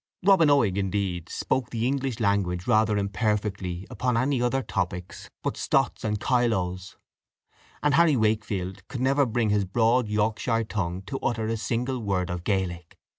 Robin Oig, indeed, spoke the English language rather imperfectly upon any other topics but stots and kyloes, and Harry Wakefield could never bring his broad Yorkshire tongue to utter a single word of Gaelic.